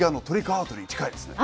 アートに近いですね。